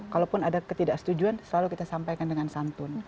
kalaupun ada ketidaksetujuan selalu kita sampaikan dengan santun